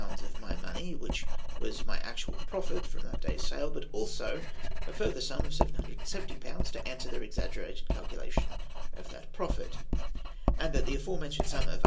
of my money, which was my actual profit from that day's sale, but also a further sum of 770/. to answer their exaggerated calculation of that profit ? and that the aforementioned sum of 830